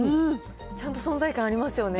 ちゃんと存在感ありますよね。